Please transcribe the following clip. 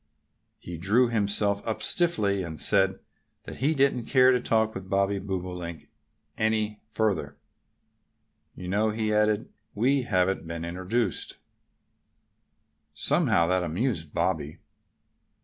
He drew himself up stiffly and said that he didn't care to talk with Bobby Bobolink any further. "You know," he added, "we haven't been introduced." Somehow that amused Bobby.